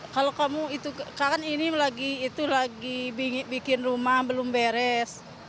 kalau kamu itu kan ini lagi bikin rumah belum beres